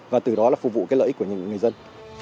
và từ đó là phục vụ cái lợi ích của người dân